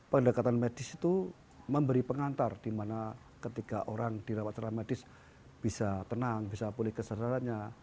pendekatan medis itu memberi pengantar di mana ketika orang dirawat secara medis bisa tenang bisa pulih kesadarannya